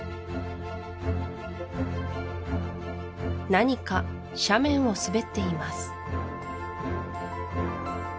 何か斜面を滑っています